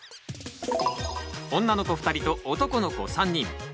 女の子２人と男の子３人。